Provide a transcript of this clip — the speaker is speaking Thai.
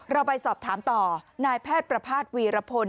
เราไปสอบถามต่อนายแพทย์ประภาษณวีรพล